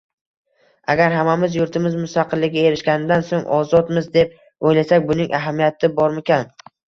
Agar hammamiz yurtimiz mustaqillikka erishganidan so`ng ozodmiz deb o`ylasak buning ahamiyati bormikan